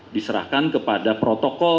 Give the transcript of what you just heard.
diserahkan kepada protokol